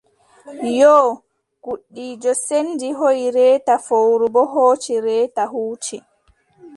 Yoo gudiijo senndi hooyi reeta fowru boo hooci reete huuci.